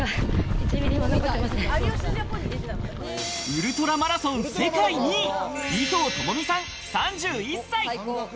ウルトラマラソン世界２位、尾藤朋美さん、３１歳。